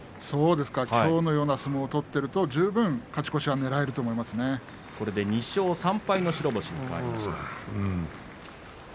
きょうのような相撲を取っていると十分、勝ち越しはこれで２勝３敗の白星に変わりました。